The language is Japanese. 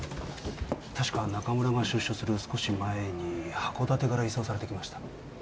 確か中村が出所する少し前に函館から移送されてきました。